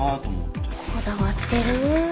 こだわってるう。